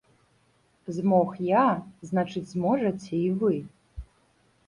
Змог я, значыць, зможаце і вы.